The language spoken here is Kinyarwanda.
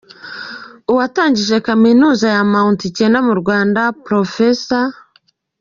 Uwatangije Kaminuza ya Mount Kenya mu Rwanda, Prof.